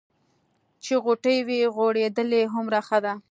چې غوټۍ وي غوړېدلې هومره ښه ده.